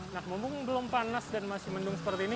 nah mumpung belum panas dan masih mendung seperti ini